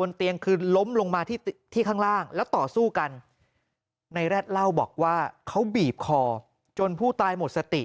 บนเตียงคือล้มลงมาที่ข้างล่างแล้วต่อสู้กันในแรดเล่าบอกว่าเขาบีบคอจนผู้ตายหมดสติ